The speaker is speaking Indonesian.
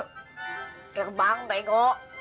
ke gerbang pak iko